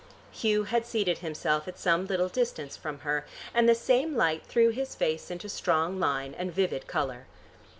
Hugh had seated himself at some little distance from her, and the same light threw his face into strong line and vivid color.